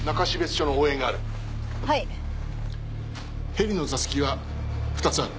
ヘリの座席は２つある。